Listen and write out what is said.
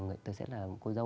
tôi sẽ là cô dâu